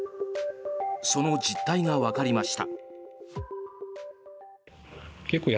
その実態がわかりました。